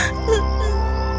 aku tidak bisa